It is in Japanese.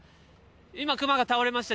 今、クマが倒れました。